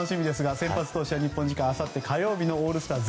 先発は日本時間あさって火曜日のオールスター